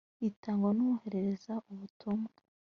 itangwa n’uwohereza ubutumwa